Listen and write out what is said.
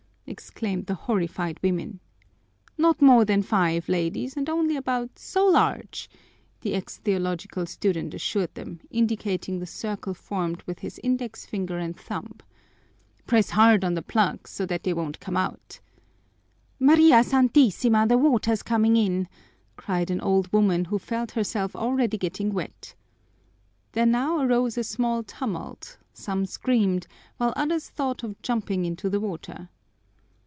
exclaimed the horrified women. "Not more than five, ladies, and only about so large," the ex theological student assured them, indicating the circle formed with his index finger and thumb. "Press hard on the plugs so that they won't come out." "María Santísima! The water's coming in," cried an old woman who felt herself already getting wet. There now arose a small tumult; some screamed, while others thought of jumping into the water.